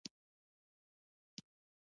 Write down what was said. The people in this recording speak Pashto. سخته ده، دوه، درې زره کسان دي.